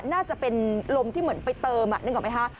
น่าจะเป็นลมที่เหมือนไปเติมนึกออกไหมคะ